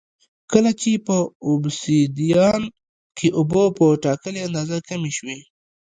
کله چې په اوبسیدیان کې اوبه په ټاکلې اندازه کمې شي